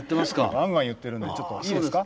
わんわん言ってるんでちょっといいですか？